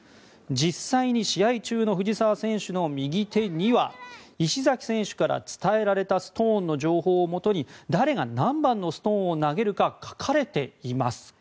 実際に試合中の藤澤選手の右手には石崎選手から伝えられたストーンの情報をもとに誰が何番のストーンを投げるか書かれています。